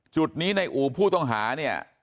จุดนี้ในอู๋ผู้ต้องหาบอกว่า